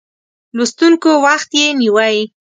لوستونکو وخت یې نیوی.